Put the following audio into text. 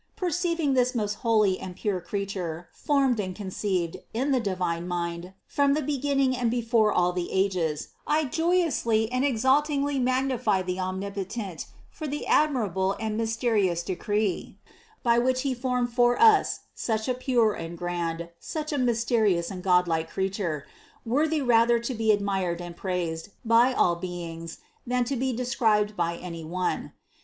Perceiving this most holy and pure Creature formed and conceived in the di vine mind from the beginning and before all the ages, I THE CONCEPTION 57 joyously and exultingly magnify the Omnipotent for the admirable and mysterious decree, by which He formed for us such a pure and grand, such a mysterious and godlike Creature, worthy rather to be admired and praised by all beings, than to be described by any one.